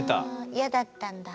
イヤだったんだ。